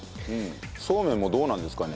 そうめんもどうなんですかね？